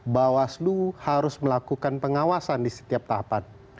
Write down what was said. bawaslu harus melakukan pengawasan di setiap tahapan